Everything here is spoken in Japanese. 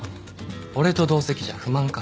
俺と同席じゃ不満か？